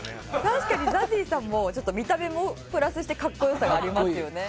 確かにＺＡＺＹさんもちょっと見た目もプラスしてかっこよさがありますよね。